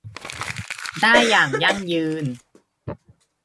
ได้อย่างยั่งยืน